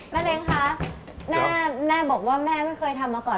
เล้งคะแม่บอกว่าแม่ไม่เคยทำมาก่อน